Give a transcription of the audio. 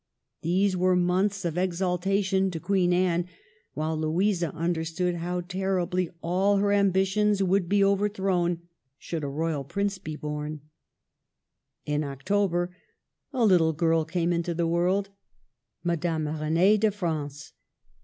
These were months of exul tation to Queen Anne, while Louisa understood how terribly all her ambitions would be over thrown should a royal prince be born. In October a little girl came into the world, — Ma dame Renee de France.